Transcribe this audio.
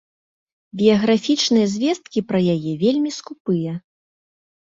Біяграфічныя звесткі пра яе вельмі скупыя.